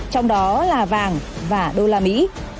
trong đó là vàng và đô la mỹ